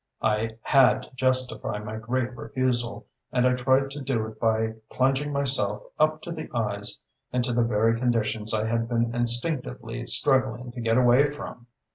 I had to justify my great refusal, and I tried to do it by plunging myself up to the eyes into the very conditions I had been instinctively struggling to get away from.